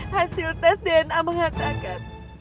hasil tes dna mengatakan